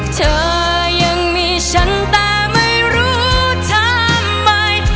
เธอยังมีฉันแต่ไม่รู้ทำไม